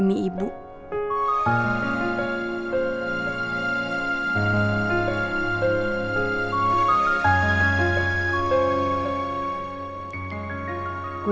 ini yang gw